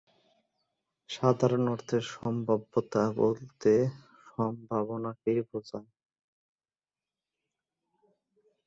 সাধারণ অর্থে সম্ভাব্যতা বলতে সম্ভাবনা কেই বোঝায়।